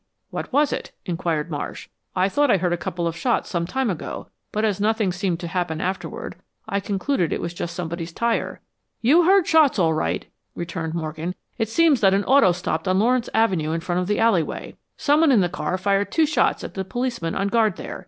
"What was it?" inquired Marsh. "I thought I heard a couple of shots sometime ago, but as nothing seemed to happen afterward, I concluded it was just somebody's tire." "You heard shots, all right," returned Morgan. "It seems that an auto stopped on Lawrence Avenue in front of the alleyway. Someone in the car fired two shots at the policeman on guard there.